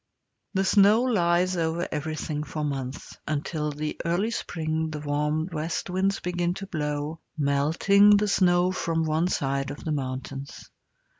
The snow lies over everything for months, until in the early spring the warm west winds begin to blow, melting the snow from one side of the mountains.